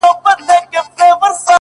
زه هم دا ستا له لاسه’